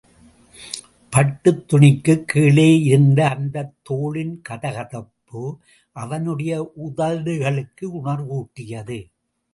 பட்டுத் துணிக்குக் கீழேயிருந்த அந்தத் தோளின் கதகதப்பு அவனுடைய உதடுகளுக்கு உணர்வூட்டியது.